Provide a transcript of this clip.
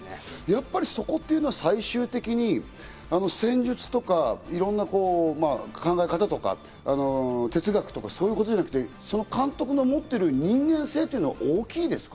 やっぱりそこというのは最終的に戦術とか、考え方とか、哲学とかそういうことじゃなくて、その監督の持ってる人間性というのは大きいですか？